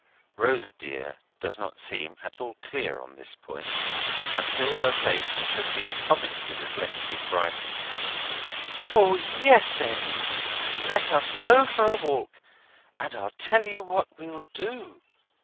Rosa dear does not seem at all clear on this point, until her face, which has been comically reflective, brightens. "O, yes, Eddy; let us go for a walk! And I tell you what we'll do.